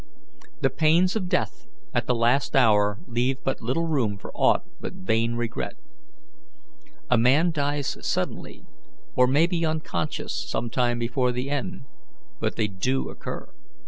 The pains of death at the last hour leave but little room for aught but vain regret. A man dies suddenly, or may be unconscious some time before the end. But they do occur.